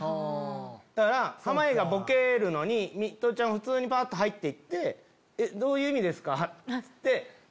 だから濱家がボケるのにミトちゃん普通に入って行ってどういう意味ですか？